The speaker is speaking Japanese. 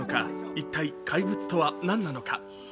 一体、怪物とは何なのか。